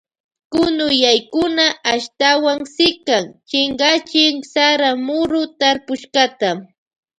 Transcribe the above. Kunuyaykuna ashtawan sikan chinkachin sara muru tarpushkata.